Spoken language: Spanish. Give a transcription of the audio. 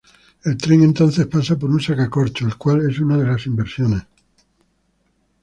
El tren entonces pasa por un sacacorchos, el cual es una de las inversiones.